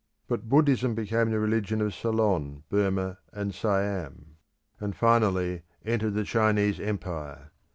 But Buddhism became the religion of Ceylon, Burmah, and Siam, and finally entered the Chinese Empire.